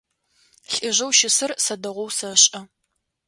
Лӏыжъэу щысыр сэ дэгъоу сэшӏэ.